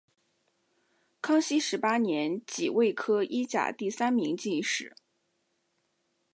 康熙十八年己未科一甲第三名进士。